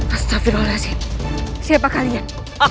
astagfirullahaladzim siapa kalian